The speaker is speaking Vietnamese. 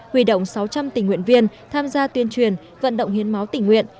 huy động sáu trăm linh tình nguyện viên tham gia tuyên truyền vận động hiến máu tình nguyện